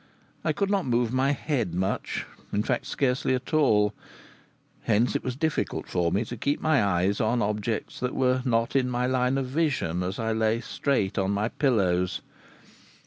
I could not move my head much, in fact scarcely at all; hence it was difficult for me to keep my eyes on objects that were not in my line of vision as I lay straight on my pillows.